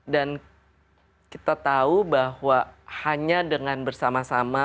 dan kita tahu bahwa hanya dengan bersama sama